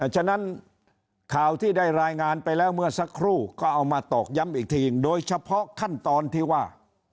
ฉะนั้นข่าวที่ได้รายงานไปแล้วเมื่อสักครู่ก็เอามาตอกย้ำอีกทีโดยเฉพาะขั้นตอนที่ว่า